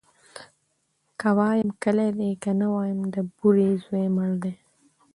ـ که وايم کلى دى ، که نه وايم د بورې زوى مړى دى.